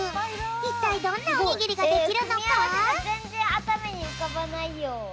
いったいどんなおにぎりができるのかな？